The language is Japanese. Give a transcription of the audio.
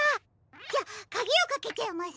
じゃあかぎをかけちゃいますね。